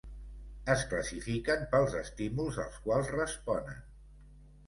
Es classifiquen pels estímuls als quals responen.